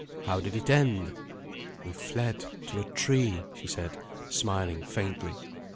How did it end?" "We fled to a tree," she said, smiling faintly.